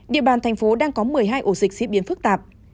địa bàn thành phố đang có một mươi hai ổ dịch diễn biến phức tạp